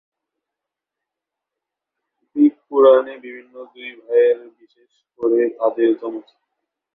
Greek পুরাণে স্থপতি হিসেবে দুই ভাইয়ের সুনাম আছে, বিশেষ করে মন্দির ও প্রাসাদ নির্মাণের ক্ষেত্রে।